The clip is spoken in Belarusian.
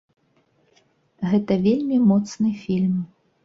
Гэта вельмі моцны фільм.